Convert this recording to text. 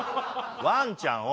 ワンちゃんを。